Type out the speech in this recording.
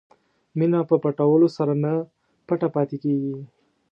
مینه په پټولو سره نه پټه پاتې کېږي.